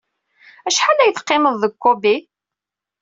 Acḥal ay teqqimeḍ deg Kobe?